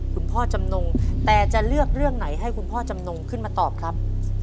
จำนงแต่จะเลือกเรื่องไหนให้คุณพ่อจำนงขึ้นมาตอบครับ